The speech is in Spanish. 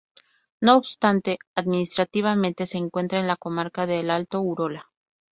No obstante, administrativamente, se encuentra en la comarca del Alto Urola.